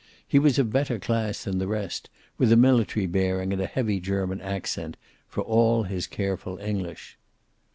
He was of better class than the rest, with a military bearing and a heavy German accent, for all his careful English.